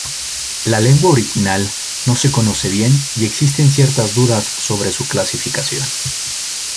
La lengua original no se conoce bien y existen ciertas dudas sobre su clasificación.